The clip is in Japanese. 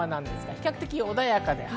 比較的穏やかです。